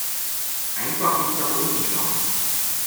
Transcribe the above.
Einfach nicht nach unten schauen.